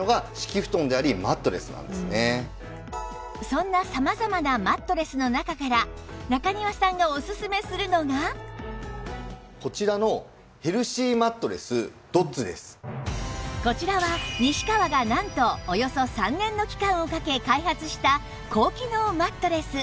そんな様々なマットレスの中からこちらのこちらは西川がなんとおよそ３年の期間をかけ開発した高機能マットレス